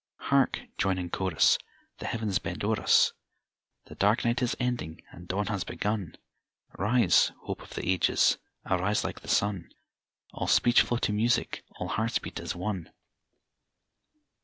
Hark! joining in chorus The heavens bend o'er us' The dark night is ending and dawn has begun; Rise, hope of the ages, arise like the sun, All speech flow to music, all hearts beat as one!